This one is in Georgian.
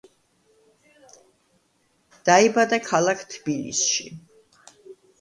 დაიბადა ქალაქ თბილისში.